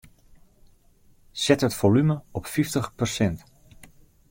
Set it folume op fyftich persint.